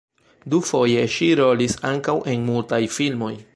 Dufoje ŝi rolis ankaŭ en mutaj filmoj.